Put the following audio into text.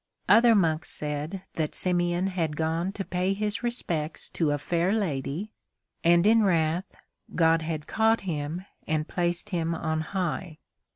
Other monks said that Simeon had gone to pay his respects to a fair lady, and in wrath God had caught him and placed him on high.